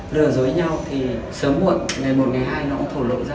lừa dối nhau thì sớm muộn ngày một ngày hai nó cũng thổ lộ ra